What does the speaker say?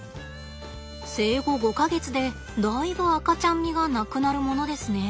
生後５か月でだいぶ赤ちゃん味がなくなるものですね。